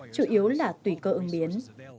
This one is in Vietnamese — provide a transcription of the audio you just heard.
chủ yếu là tùy cơ ứng biến